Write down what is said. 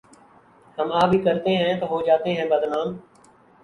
ہم آہ بھی کرتے ہیں تو ہو جاتے ہیں بدنام